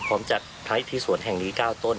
พร้อมจัดพระที่สวนแห่งนี้๙ต้น